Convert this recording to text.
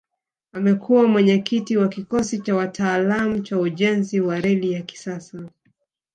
Amekua mwenyekiti wa kikosi cha wataalamu cha ujenzi wa reli ya kisasa